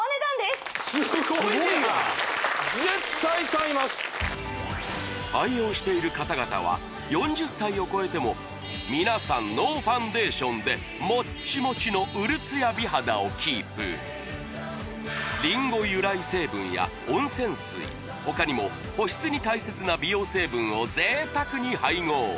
すごいやん愛用している方々は４０歳を越えても皆さんノーファンデーションでもっちもちのうるつや美肌をキープリンゴ由来成分や温泉水他にも保湿に大切な美容成分を贅沢に配合